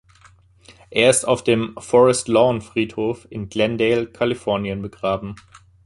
Er ist auf dem Forest Lawn-Friedhof in Glendale, Kalifornien, begraben.